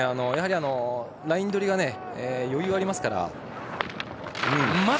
やはり、ライン取りに余裕がありますから。